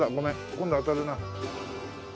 今度は当たるな。